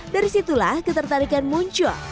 dari situlah ketertarikan muncul